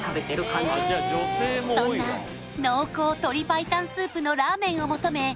そんな濃厚鶏白湯スープのらーめんを求め